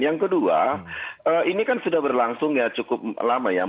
yang kedua ini kan sudah berlangsung ya cukup lama ya